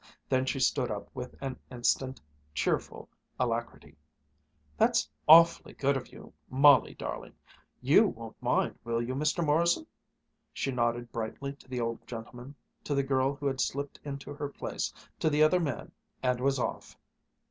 Then she stood up with an instant, cheerful alacrity. "That's awfully good of you, Molly darling! You won't mind, will you, Mr. Morrison!" She nodded brightly to the old gentleman, to the girl who had slipped into her place, to the other man, and was off.